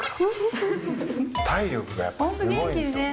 体力がやっぱりすごいんですよ。